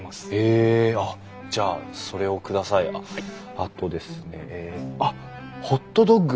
あとですねあっホットドッグ。